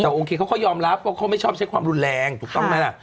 แต่โอเคเขาก็ยอมรับว่าเขาไม่ชอบใช้ความรุนแรงถูกต้องไหมล่ะ